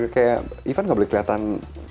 kayak ivan nggak boleh kelihatan